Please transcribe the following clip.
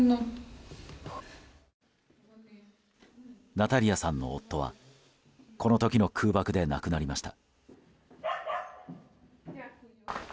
ナタリアさんの夫はこの時の空爆で亡くなりました。